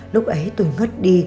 lúc ấy tôi ngất đi